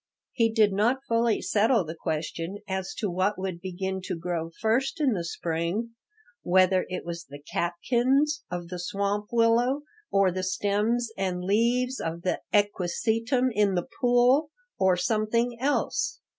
He did not fully settle the question as to what would begin to grow first in the spring, whether it was the catkins of the swamp willow or the stems and leaves of the equisetum in the pool, or something else.